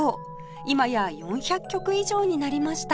今や４００曲以上になりました